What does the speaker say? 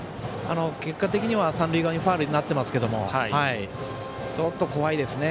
結果的には三塁側にファウルになってますけどちょっと怖いですね